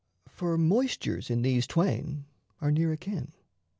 For moistures in these twain Are near akin.